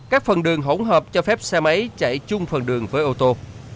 các phần đường hỗn hợp cho phép xe máy chạy chung phần đường với ô tô